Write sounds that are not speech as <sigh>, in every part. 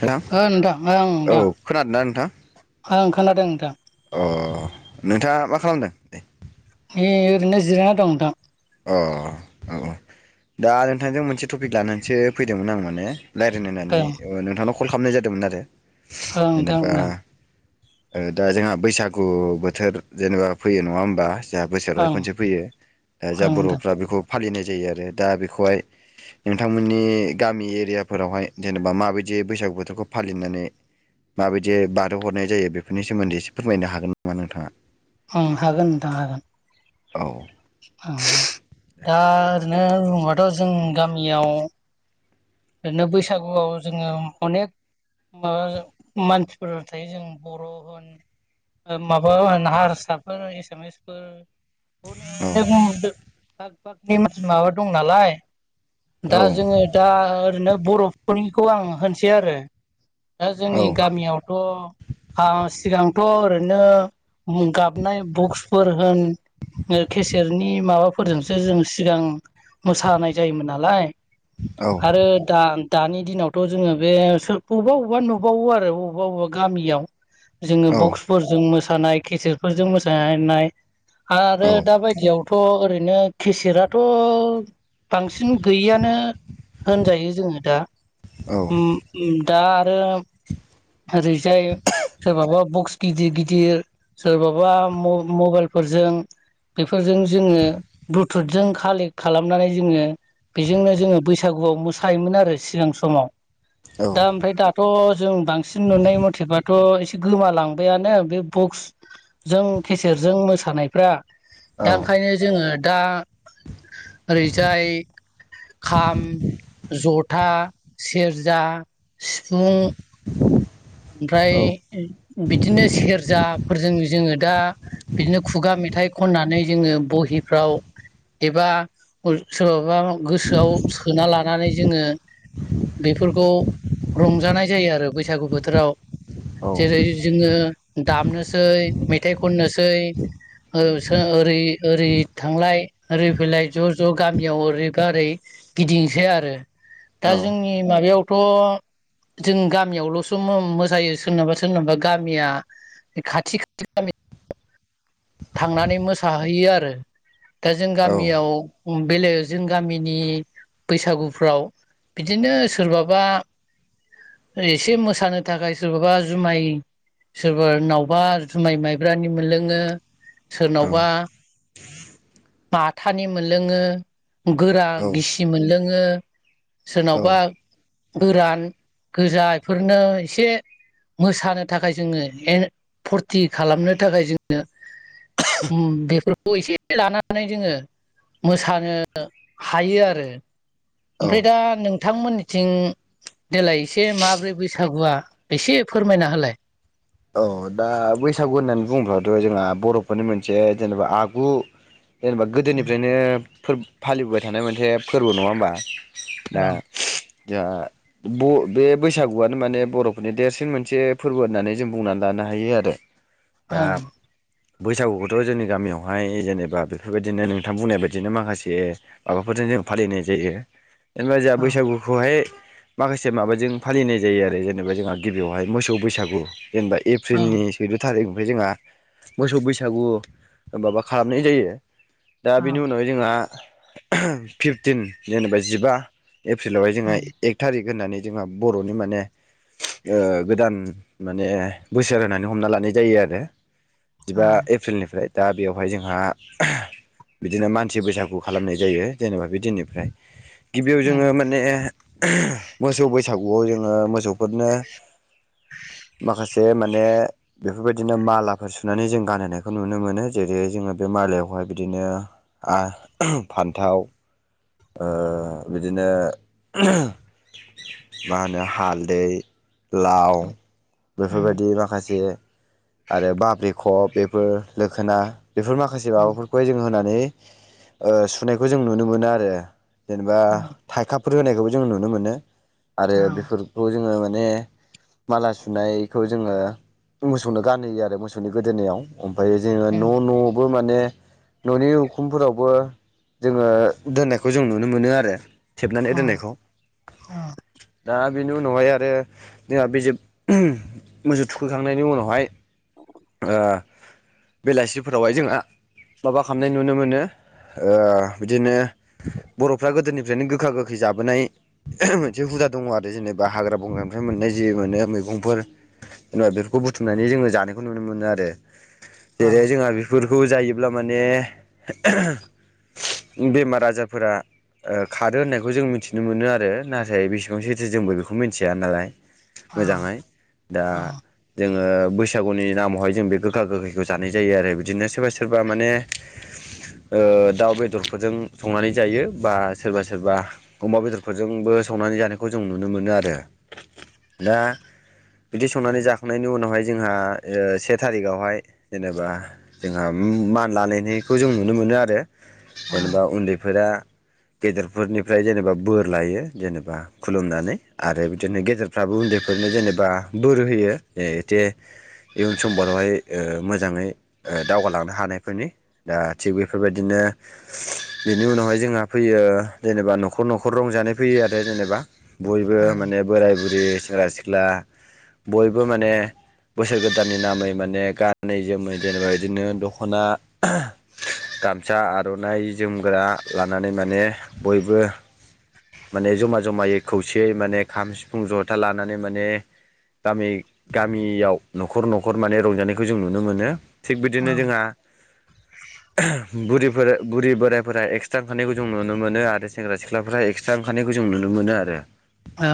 Hello ओ नोंथां ओं औ नोंथां खोनादोंना नोंथां। ओं खोनादों नोंथां अ नोंथाङा मा खालामदों? दे। नै ओरैनो जिरायना दं नोंथां। अ औ-औ दा नोंथांजों मोनसे टपिक लानानैसो फैदोंमोन आं माने रायलायनो होननानै ओं नोंथांनाव कल खालामनाय जादोंमोन आरो ओं नोंथां ओं ओ दा जोंहा बैसागु बोथोर जेनेबा फैयो नङा होमबा जोंहा बोसोरावहाय ओं खनसे फैयो दा जा ओं नोंथां बर'फ्रा बेखौ फालिनाय जायो आरो दा बेखौहाय नोंथांमोननि गामि एरियाफोरावहाय जेनेबा माबायदि बैसागु बोथोरखौ फालिनानै माबायदि बारो हरनाय जायो बेफोरनि सोमोन्दै एसे फोरमायनो हागोन नामा नोंथाङा ओं हागोन नोंथां हागोन औ अ दा ओरैनो बुंबाथ' जों गामियाव ओरैनो बैसागुआव जोङो अनेख माबा मानसिफोर थायो जों बर' होन माबा हारसाफोर एसामिसफोर अने औ बाग बागनि मानसि माबा दं नालाय दा औ जोङो दा ओरैनो बर'फोरनिखौ आं होनसै आरो दा औ जोंनि गामियावथ' सिगांथ' ओरै। बिनो गाबनाय बक्सफोर होन। खेसेरनि माबाफोरजोंसो जों सिगां मोसानाय जायोमोन नालाय। आरो दा दानि दिनावथ' जोङो बे बबेबा बबेबा नुबावो आरो बबेबा बबेबा गामियाव। जोङो बक्सफोरजों मोसानाय केसेटफोरजों मोसानाय आरो दा बायदियावथ' ओरै बिदिनो केसेटआथ' बांसिन गैयिआनो होनजायो। जोङो दा उम दा आरो ओरैजाय सोरबाबा बक्स। गिदिर गिदिर सोरबाबा मबाइलफोरजों बेफोरजों जोङो ब्लुथुथजों कालेक्ट खालामनानै जोङो। बेजोंनो जोङो बैसागुआव मोसा थायोमोन आरो सिगां समाव दा ओमफ्राय दाथ' जों बांसिन नुनाय मथेबाथ' थ' एसे गोमालांबायानो बे बक्सजों केसेटजों मोसानायफ्रा दा ओंखायनो जोङो दा ओरैजाय खाम जथा सेरजा सिफुं ओमफ्राय बिदिनो सेरजाफोरजों जोङो दा बिदिनो खुगा मेथाइ खननानै जोङो बहिफ्राव एबा सोराबा गोसोआव सोना लानानै जोङो बेफोरखौ रंजानाय जायो आरो बैसागु बो बोथोराव जेरै जोङो दामनोसै मेथाइ खननोसै ओरै ओरै थांलाय ओरै फैलाय ज' ज' गामियाव ओरैबा ओरै गिदिंसै आरो दा जोंनि माबायावथ' जों गामियावल'स मोसायो सोरनबा सोरनबा गामिया खाथिखा गामि थांनानै मोसाहैयो आरो दा जों गामियाव बेलायाव जों गामिनि बैसागुफ्राव बिदिनो सोरबाबा एसे मोसानो थाखाय सोरबाबा जुमाय सोरबानावबा जुमाय माइब्रानि मोनलोङो सोरनावबा औ माथानि मोनलोङो गोरा गिसि मोनलोङो सोरनावबा गोरान गोजा इफोरनो एसे मोसानो थाखाय जोङो फुरथि खालामनो थाखाय जोङो उम बेफोरखौ एसे लानानै जोङो मोसानो हायो आरो औ ओमफ्राय दा नों थांमोननिथिं देेलाय एसे माब्रै बैसागुआ एसे फोरमायना होलाय औ दा बैसागु होननानै बुङोब्लाथ' जोंहा बर'फोरनि मोनसे जेनेबा आगु जेनेबा गोदोनिफ्रायनो फालिबोबाय थानाय मोनसे फोरबो नङा होमबा दा ओं जोंहा बे बैसागुआनो माने बर'फोरनि देरसिन मोनसे फोरबो होननानै जों बुंनानै लानो हायो आरो दा औ बैसागुखौथ' जोंनि गामियावहाय जेनेबा बेफोरबायदिनो नोंथां बुंनाय बायदिनो माखासे माबाफोरजों जों जों फालिनाय जायो जेनेबा जोहा ओं बैसागुखौहाय माखासे माबाजों फालिनाय जायो आरो जेनेबा जोंहा गिबियावहाय मोसौ बैसागु जेनेबा ओं एप्रिलनि सैद' थारिख ओमफ्राय जोंहा मोसौ बैसागु माबा खालामनाय जायो दा बिनि ओं उनावहाय जोंहा फिफटिन जेनेबा जिबा एप्रिलावहाय जोंहा एक थारिख होननानै जोंहा बर'नि माने ओ गोदान माने बोसोर होनानै हमना लानाय जायो आरो जिबा ओं एप्रिलनिफ्राय दा बेवहाय जोंहा बिदिनो मानसि बैसागु खालामनाय जायो जेनेबा बे दिननिफ्राय गिबियाव ओं जोङो माने मोसौ बैसो बैसागुआव जोङो मोसौफोरनो माखासे जे माने बेफोरबायदिनो मालाफोर सुनानै जों गानहोनायखौ नुनो मोनो जेरै जोङो बे मालायावहाय ओमफ्राय बिदिनो फान्थाव ओ बिदिनो मा होनो हालदै लाव ओं बेफोरबायदि माखासे आरो बाब्रि खब बेफोर लोखोना बेफोर माखासे ओं माबाफोरखौहाय जोंङो होना नै ओ सुनायखौ जों नुनो मोनो आरो जेनेबा थाइखाफोर होनायखौबो जों नुनो मोनो आरो ओं बेफोरखौ जोङो मा ने माला सुनायखौ जोङो मोसौनो गानहोयो आरो मोसौनि गोदोनायाव ओमफाय जोङो न' न'आवबो माने न'नि उखुमफोरावबो जोङो दोननायखौ जों नुनो मोनो आरो थेबनानै ओं दोननायखौ दा बेनि उनावहाय आरो जोंहा बे जे मोसौ थुखैखांनायनि उनावहाय ओ बेलासिफोरावहाय जोंहा माबा खालामनाय नुनो मोनो ओ बिदिनो बर'फ्रा गोदोनिफ्रायनो गोखा गोखै जाबोनाय मोनसे हुदा दङ आरो जेनेबा हाग्रा बंग्रानिफ्राय मोननाय जि मोन मैगंफोर जेनेबा बेफोरखौ बुथुमनानै जोङो जानायखौ नुनो मोनो मोनो आरो ओं जेरै जोंहा बेफोरखौ जायोब्ला माने बेमारा जायफोरा खारो होननायखौ जों मिथिनो मोनो आरो नाथाय बेसेबां सथो जोंबो बेखौ मिथिया नालाय मोजाङै दा जोङो बैसागुनि नामावहाय जों बे गोखा गोखैखौ जानाय जायो आरो बिदिनो सोरबा सोरबा माने ओ दाउ बेदरफोरजों संनानै जायो बा सोरबा सोरबा अमा बेदरफोरजोंबो संनानै जानायखौ जों नुनो मोनो आरो दा बिदि संनानै जाखांनायनि उनावहाय जोंहा से थारिखावहाय जेनेबा जोंहा मान लानायनायखौ जों नुनो मोनो आरो जेनेबा फोरा गेदेरफोरनिफ्राय जेनेबा बोर लायो जेनेबा खुलुमनानै आरो बिदिनो गेदेरफ्राबो उन्दै फोरनो जेनेबा बोर होयो इयुन समफोरारावहाय मोजाङै दावगालांनो हानायफोरनि दा थिग बेफोरबायदिनो दा बेनि उनावहाय जोंहा फैयो जेनेबा न'खर न'खर रंजानाय फैयो आरो जेनेबा बयबो माने बोराय बुरै सेंग्रा सिख्ला बयबो माने बोसोर गोदाननि नामै माने गानै जोमै जेनेबा बिदिनो दख'ना गामसा आर'नाइ जोमग्रा लानानै माने बयबो माने जमा जमायै खौसेयै माने खाम सिफुं ज'था लानानै माने गामि गामियाव न'खर न'खर माने रंजानायखौ जों नुनो मोनो। थिग बिदिनो जोंहा बुरिफोर बुरि बोराइफोरा एक्सट्रा ओंखारनायखौ जों नुनोमोनो आरो सेंग्रा सिख्लाफोरा एक्स्रा ओंखानायखौ जों नुनो मोनो आरो ओ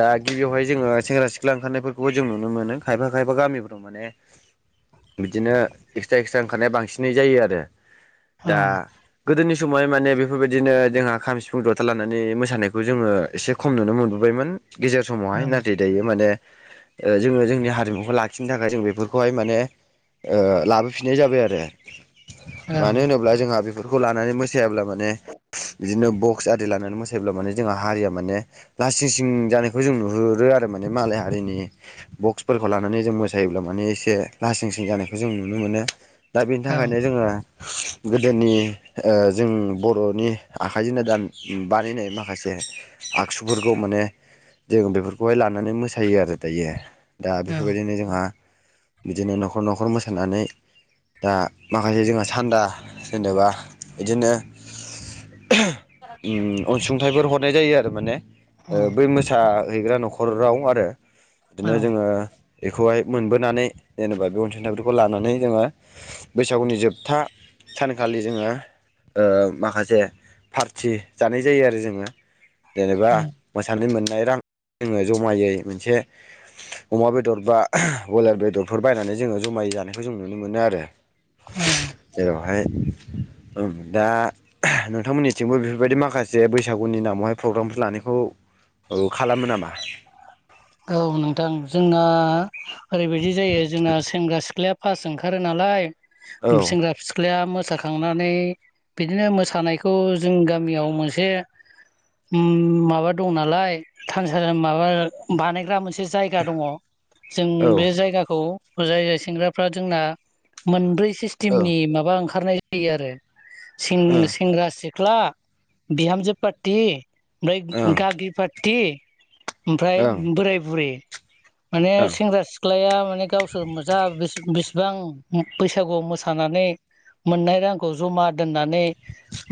दा गिबियावहाय जोङो सेंग्रा सिख्ला ओंखारनायफोरखौबो जों नुनो मोनो खायफा खायफा गामिफोराव माने बिदिनो एक्सट्रा एक्सट्रा ओंखारनाया बांसिनै जायो आरो दा गोदोनि समावहाय माने बेफोरबायदिनो जोंहा खाम सिफुं जथा लानानै मोसानायखौ जोङो एसे खम नुनो मोनबोबायमोन गेजेर समावहाय ओं नाथाय दायो माने जोङो जोंनि हारिमुखौ लाखिनो थाखाय जों बेफोरखौहाय माने लाबोफिननाय जाबाय आरो ओं मानो होनोब्ला जोंहा बेफोरखौ लानानै मोसायाब्ला माने बिदिनो बक्स खुसारि लानानै मोसायोब्ला माने जोंहा हारिया माने लासिं सिं जानायखौ जों नुहुरो आरो माने मालाय हारि जोंनि बक्सफोरखौ लानानै जों मोसायोब्ला माने एसे लासिं सिं जानायखौ जों नुनो मोनो दा बेनि थाखायनो जोङो गोदोनि जों बर'नि आखाइजोंनो दानना बानायनाय माखासे आगजुफोरखौ माने जों बेफोरखौहाय लानानै मोसायो आरो दायो दा ओं बेफोरबायदिनो जोंहा बिदिनो न'खर न'खर मोसानानै दा माखासे जोंहा सान्दा जेनेबा बिदिनो ब उम <inaudible> अनसुंथाइफोर हरनाय जायो आरो माने ओं बै मोसाहैग्रा न'खराव आरो बिदिनो जोङो बेखौहाय मोनबोनानै जेनेबा बे अनसुंथाइफोरखौ लानानै जोङो बैसागुनि जोबथा सानखालि जोङो माखासे फारसे खथि जानाय जायो आरो जोङो जेनेबा मोसानाय मोननाय रांखौ जमायै मोनसे अमा बेदर बा ब्रयलार बेदरफोर बायनानै जोङो जमायै जानायखौ जों नुनो मोनो आरो औ ओमफ्राय दा नोंथांमोननि थिंबो बेफोरबायदि माखासे बैसागुनि नामावहाय प्रग्रामफोर लानायखौ खालामो नामा? औ नोंथां जोंना ओरैबायदि जायो जोंना सेंग्रा सिख्ला फास ओंखारो नालाय औ सेंग्रा सिख्लाया मोसाखांनानै बिदिनो मोसानायखौ जों गामियाव मोनसे उम माबा दं नालाय थानसा माबा बानायग्रा मोनसे जायगा दङ जों औ औ बे जायगाखौ जाय जाय सेंग्राफ्रा जोंना मोनब्रै सिस्टेमनि माबा ओंखा खारनाय होयो आरो सें ओं सेंग्रा सिख्ला बिहामजो पार्टि ओमफ्राय ओं गागि पाटि ओमफ्राय ओं बोराय बुरै माने ओं सेंग्रा सिख्लाया माने गावसोर जा बिस बिसिबां बैसागुआव मोसानानै मोननाय रांखौ ज'मा दोननानै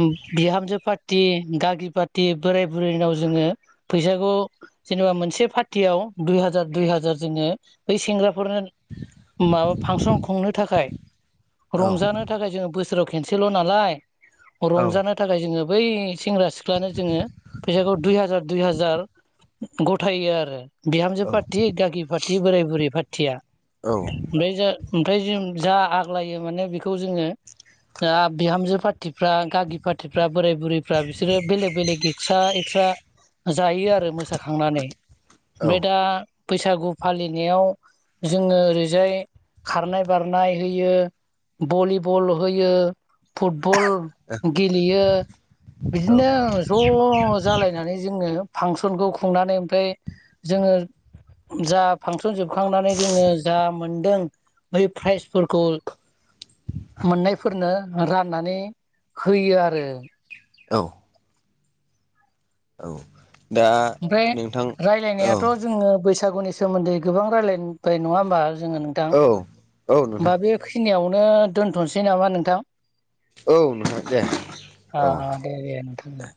उम बिहामजो पार र्टि गागि पार्टी बोराय बुरैनाव जोङो फैसाखौ जेनेबा मोनसे पार्टियाव दुइ हाजार दुइ हाजार जोङो बै सेंग्रा फोरनो माबा फांसन खुंनो थाखाय औ रंजानो थाखाय जोङो बोसोराव खेनसेल' नालाय औ रंजानो थाखाय जोङो बै सेंग्रा-सिख सिख्लानो जोङो फैसाखौ दुइ हाजार दुइ हाजार ग'थायो आरो। बिहामजो पार्थि गागि पार्टि बोराय बुरै पार्टिया औ। ओमफ्राय जा ओमफ्राय जों जा आग्लायो माने बेखौ जोङो ओ बिहामजो पार्टिफ्रा गागि पार्टिफ्रा बोराय बुरैफ्रा बिसोरो बेलेग बेलेक एक्स्रा एक्स्रा जायो आरो मोसाखांनानै। औ बे दा बैसागु फालिनायाव जोङो ओरैजाय खारनाय बारनाय होयो। भलिबल होयो फुटबल गेलेयो। औ बिदिनो ज' जालायनानै जोङो फांसनखौ खुंनानै ओमफ्राय जोङो जा फांसन जोबखांनानै जोङो जा मोनदों बै प्राइजफोरखौ मोननायफोरनो राननानै होयो आरो। औ। औ। दा ओमफ्राय नोंथां औ रायलायनायाथ' जोङो बैसा बैसागुनि सोमोन्दै गोबां रायलायबाय नङा होमबा जोङो नोंथां औ औ नोंथां होमबा बेखिनियाव नो दोनथ'नोसै नामा नोंथां? औ नोंथां दे आ औ आ दे दे नोंथां ओ।